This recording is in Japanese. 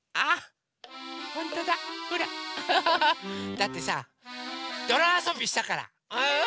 だってさどろあそびしたから！